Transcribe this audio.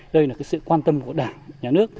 đây là sự quan tâm của đảng nhà nước